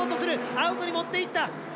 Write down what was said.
アウトにもっていった！